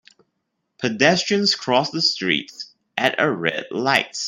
Pedestrians cross the street at a red light.